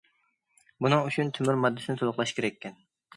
بۇنىڭ ئۈچۈن تۆمۈر ماددىسىنى تولۇقلاش كېرەككەن.